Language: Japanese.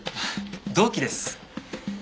同期です。